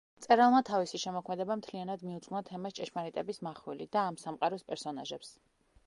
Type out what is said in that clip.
მწერალმა თავისი შემოქმედება მთლიანად მიუძღვნა თემას „ჭეშმარიტების მახვილი“ და ამ სამყაროს პერსონაჟებს.